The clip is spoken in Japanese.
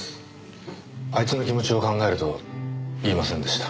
あいつの気持ちを考えると言えませんでした。